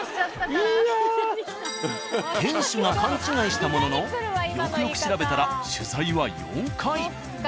店主が勘違いしたもののよくよく調べたら取材は４回。